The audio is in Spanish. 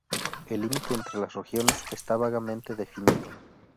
El límite entre las regiones está vagamente definido.